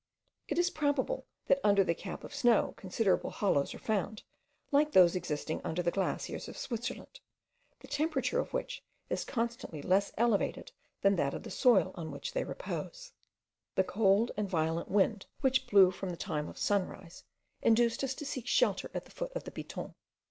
It is probable, that under the cap of snow considerable hollows are found, like those existing under the glaciers of Switzerland, the temperature of which is constantly less elevated than that of the soil on which they repose. The cold and violent wind, which blew from the time of sunrise, induced us to seek shelter at the foot of the Piton.